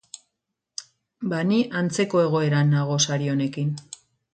Ba, ni antzeko egoeran nago sari honekin.